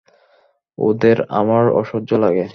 ওদের আমার অসহ্য লাগে।